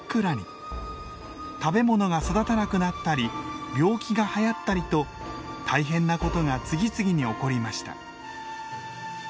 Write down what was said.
食べ物が育たなくなったり病気がはやったりと大変なことが次々に起こりました。